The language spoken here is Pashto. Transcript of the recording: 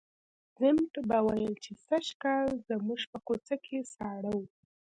ضمټ به ویل چې سږکال زموږ په کوڅه کې ساړه وو.